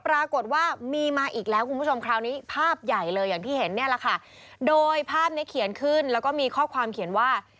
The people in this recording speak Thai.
ปรากฏว่ามีมาอีกแล้วคุณผู้ชมคราวนี้ภาพใหญ่เลยอย่างที่เห็นเนี่ยแหละค่ะโดยภาพนี้เขียนขึ้นแล้วก็มีข้อความเขียนว่า